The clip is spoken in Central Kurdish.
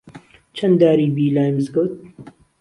چەن داری بی لای مزگەوت